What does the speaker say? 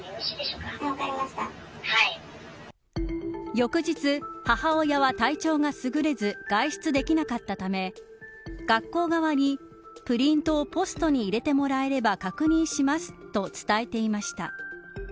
翌日、母親は体調がすぐれず外出できなかったため学校側にプリントをポストに入れてもらえれば確認しますと伝えていました。